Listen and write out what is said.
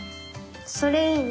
それいいね。